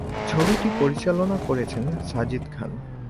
ছবিটি পরিচালনা করেছেন সাজিদ খান।